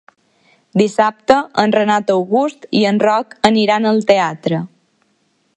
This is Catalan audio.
Dissabte en Renat August i en Roc aniran al teatre.